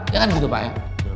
ya kan begitu pak ya